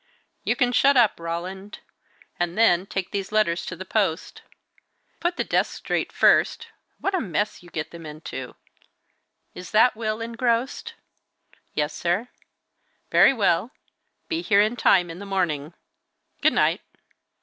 "You can shut up, Roland. And then, take these letters to the post. Put the desks straight first; what a mess you get them into. Is that will engrossed?" "Yes, sir." "Very well! Be here in time in the morning. Good night."